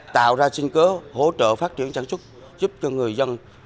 tạo ra sinh kế hỗ trợ phát triển sản xuất giúp cho người dân